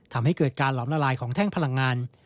ทำให้เกิดการหลอมละลายของแท่งพลังงาน